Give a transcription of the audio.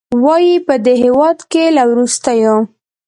وايي، په دې هېواد کې له وروستیو